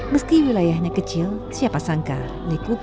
meski wilayahnya kecil siapa sangka likupang menyimpan keelokan